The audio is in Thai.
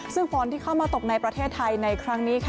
ซึ่งฝนที่เข้ามาตกในประเทศไทยในครั้งนี้